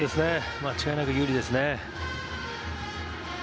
間違いなく有利です。